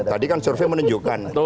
tadi kan survei menunjukkan